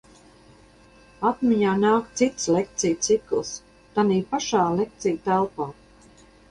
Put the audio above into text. Atmiņā nāk cits lekciju cikls tanī pašā lekciju telpā.